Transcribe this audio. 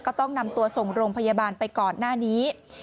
ก็ต้องนำตัวส่งโรงพยาบาลไปก่อนหน้านี้